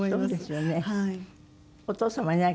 お父様が？